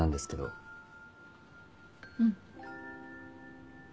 うん。